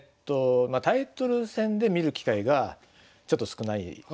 タイトル戦で見る機会がちょっと少ない。